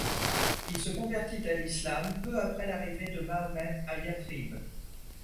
Il se convertit à l'islam peu après l'arrivée de Mahomet à Yathrib.